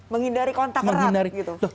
menghindari kontak erat